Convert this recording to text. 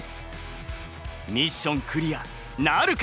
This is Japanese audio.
ミッションクリアなるか？